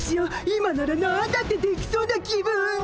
今ならなんだってできそうな気分！